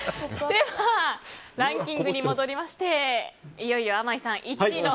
では、ランキングに戻りましていよいよ、あまいさん１位の。